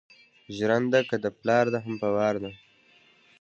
ژرنده که دې پلار ده هم په وار ده.